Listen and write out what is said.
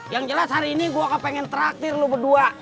yang jelas hari ini gue akan pengen traktir lo berdua